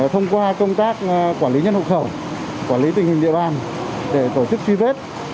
thông qua công tác quản lý nhân hộ khẩu quản lý tình hình địa bàn để tổ chức truy vết